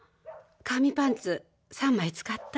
紙パンツ３枚使った？